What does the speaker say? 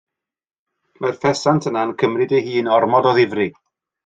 Mae'r ffesant yna yn cymryd ei hun ormod o ddifri.